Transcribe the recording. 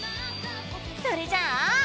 それじゃあ！